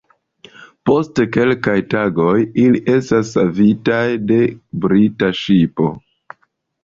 Post kelkaj tagoj, ili estas savitaj de brita ŝipo.